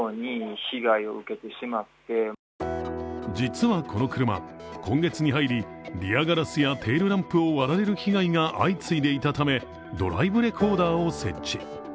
実はこの車、今月に入りリアガラスやテールランプを割られる被害が相次いでいたためドライブレコーダーを設置。